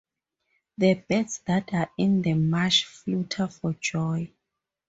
The birds that are in the marsh flutter for joy.